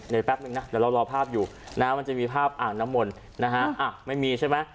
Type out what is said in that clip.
แป๊บนึงนะเดี๋ยวเรารอภาพอยู่นะฮะมันจะมีภาพอ่างน้ำมนต์นะฮะไม่มีใช่ไหม